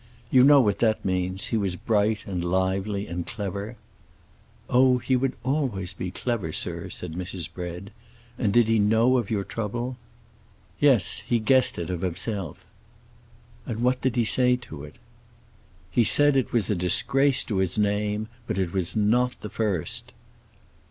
You know what that means; he was bright and lively and clever." "Oh, he would always be clever, sir," said Mrs. Bread. "And did he know of your trouble?" "Yes, he guessed it of himself." "And what did he say to it?" "He said it was a disgrace to his name—but it was not the first."